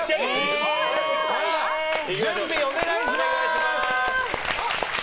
準備お願いします！